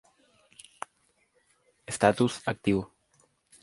Estatus: Activo.